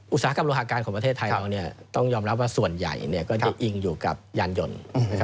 อุตสาหกรรมโลหาการของประเทศไทยเราต้องยอมรับว่าส่วนใหญ่ก็จะอิงอยู่กับยานยนต์